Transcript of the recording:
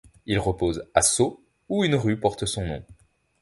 Il repose à Sceaux, où une rue porte son nom.